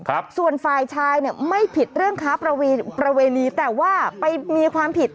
ครับส่วนฝ่ายชายเนี่ยไม่ผิดเรื่องค้าประเวณประเวณีแต่ว่าไปมีความผิด